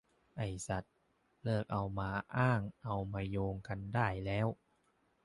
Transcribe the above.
ไอ้สัส เลิกเอามาอ้างเอามาโยงกันได้แล้ว